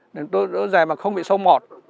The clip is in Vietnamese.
đốt dài mà không bị sâu mọt